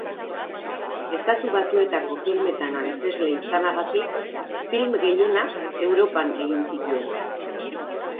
Estatu Batuetako filmetan antzezle izanagatik, film gehienak Europan egin zituen.